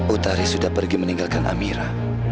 utari sudah pergi meninggalkan amira